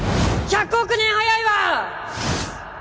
１００億年早いわ！